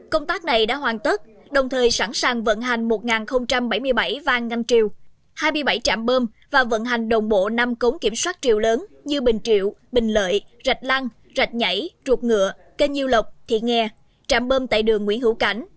công tác này đã hoàn tất đồng thời sẵn sàng vận hành một bảy mươi bảy vang ngăn triều hai mươi bảy trạm bơm và vận hành đồng bộ năm cống kiểm soát triều lớn như bình triệu bình lợi rạch lăng rạch nhảy ruột ngựa kênh nhiêu lộc thiện nghe trạm bơm tại đường nguyễn hữu cảnh